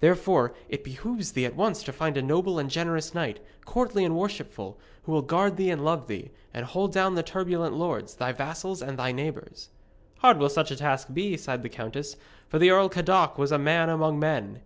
Therefore it behoves thee at once to find a noble and generous knight, courtly and worshipful, who will guard thee and love thee, and hold down the turbulent lords, thy vassals and thy neighbours.' 'Hard will such a task be,' sighed the countess, 'for the Earl Cadoc was a man among men.'